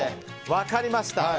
分かりました。